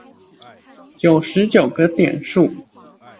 九十九個點數